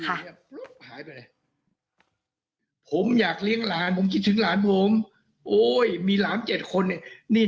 เงียบหายไปเลยผมอยากเลี้ยงหลานผมคิดถึงหลานผมโอ้ยมีหลานเจ็ดคนเนี่ยนี่